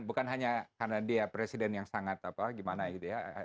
bukan hanya karena dia presiden yang sangat apa gimana gitu ya